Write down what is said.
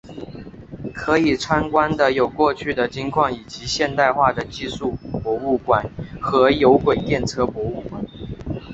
可以参观的有过去的金矿以及现代化的技术博物馆和有轨电车博物馆。